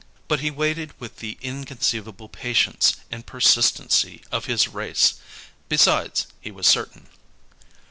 But he waited with the inconceivable patience and persistency of his race; besides, he was certain.